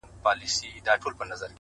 ها د ښكلا شاپېرۍ هغه د سكون سهزادگۍ،